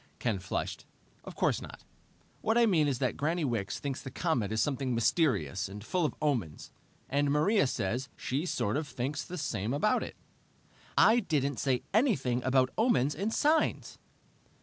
Ken flushed. "Of course not. What I mean is that Granny Wicks thinks the comet is something mysterious and full of omens, and Maria says she sort of thinks the same about it." "I didn't say anything about omens and signs!"